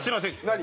何？